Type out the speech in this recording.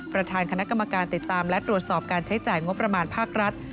ประธานคณะกรรมการติดตามและตรวจสอบการใช้จ่ายงบประมาณภาครัฐ